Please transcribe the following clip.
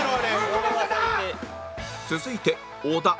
続いて小田